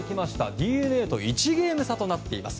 ＤｅＮＡと１ゲーム差となっています。